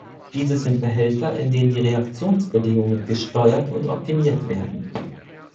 Dieses sind Behälter, in denen die Reaktionsbedingungen gesteuert und optimiert werden.